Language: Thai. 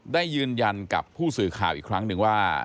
ได้ยืนยันกับผู้สื่อข่าวอีกครั้งหนึ่งว่า